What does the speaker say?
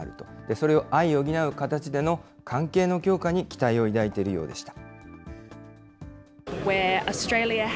それを相補う形での関係の強化に期待を抱いているようでした。